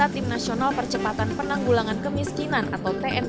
dari data tim nasional percepatan penanggulangan kemiskinan atau tnp dua k